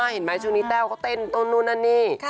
เห็นไหมช่วงนี้แต้วก็เต้นต้นนู่นนั่นนี่